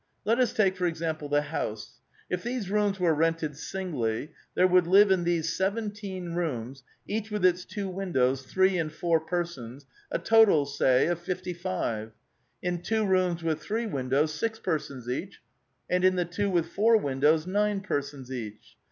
Let us take, for ex ample, the house : if these rooms were rented singly,^ there would live in these seventeen rooms — each with its two win dows, three and four persons — a total (say) of fifty five ; in two rooms with three windows, six persons each ; and in the two with four windows, nine persons each.